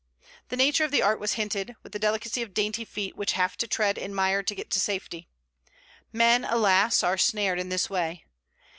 The nature of the art was hinted, with the delicacy of dainty feet which have to tread in mire to get to safety. Men, alas! are snared in this way.